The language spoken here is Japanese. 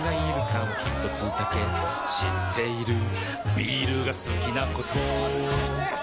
ひとつだけ知っているビールが好きなことうわっうまそうに飲むねぇ！